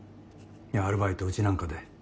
アルバイトうちなんかで。